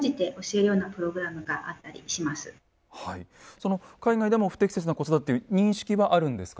その海外でも不適切な子育て認識はあるんですか？